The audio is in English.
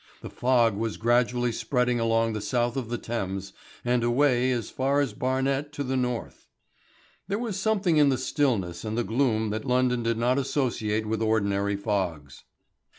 The fog was gradually spreading along the South of the Thames, and away as far as Barnet to the North. There was something in the stillness and the gloom that London did not associate with ordinary fogs.